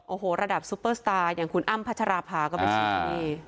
โอ้โหระดับซุปเปอร์สตาร์อย่างคุณอ้ำพัชราภาก็ไปฉีดที่นี่